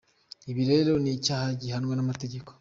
Ibi rero ni icyaha gihanwa n’amategeko.